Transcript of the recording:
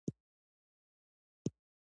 ژوند کول څه هنر غواړي؟